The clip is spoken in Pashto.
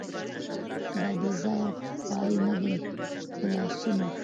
دا بېځايه خوارۍ نه دي د لاسونو